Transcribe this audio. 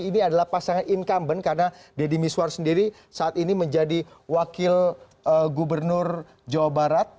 ini adalah pasangan incumbent karena deddy miswar sendiri saat ini menjadi wakil gubernur jawa barat